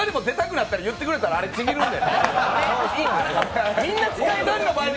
お二人も出たくなったら言ってくださいあれ、ちぎるんで。